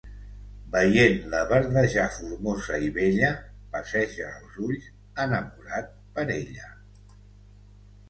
Veient-la verdejar formosa i bella, passeja els ulls, enamorat, per ella.